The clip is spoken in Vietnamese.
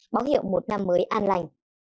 báo hiệu một năm mới an lành